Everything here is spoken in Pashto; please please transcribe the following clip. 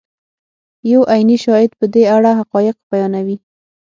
یو عیني شاهد په دې اړه حقایق بیانوي.